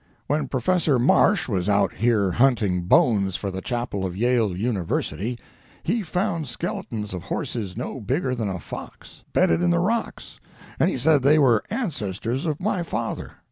When Professor Marsh was out here hunting bones for the chapel of Yale University he found skeletons of horses no bigger than a fox, bedded in the rocks, and he said they were ancestors of my father.